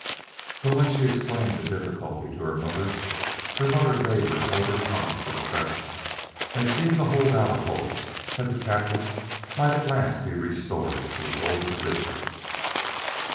But when she explained the difficulty to her mother her mother bade her hold her tongue for the present, and seemed to hold out a hope that the captain might at last be restored to his old position.